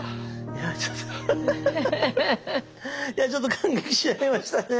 いやちょっと感激しちゃいましたね。